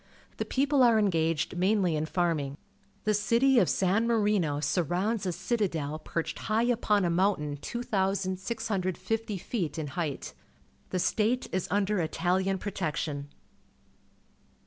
The people are engaged mainly in farming. The city of San Marino surrounds a citadel perched high upon a mountain 2,650 feet in height. The state is under Itahan protection.